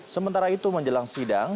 sementara itu menjelang sidang